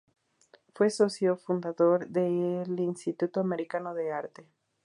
Fue socio fundador del Instituto Americano de Arte.